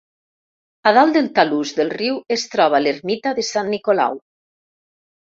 A dalt del talús del riu es troba l'ermita de Sant Nicolau.